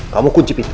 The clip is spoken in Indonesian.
kamu kunci pintu